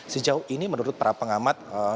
sejauh ini menurut para pengamat